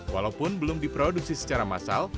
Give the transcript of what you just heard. walaupun belum diproduksi secara massal